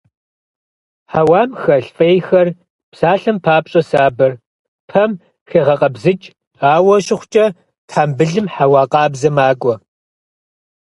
Хьэуам хэлъ фӀейхэр, псалъэм папщӀэ сабэр, пэм хегъэкъэбзыкӀ, ауэ щыхъукӀэ, тхьэмбылым хьэуа къабзэ макӀуэ.